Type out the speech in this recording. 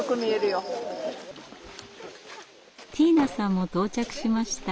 ティーナさんも到着しました。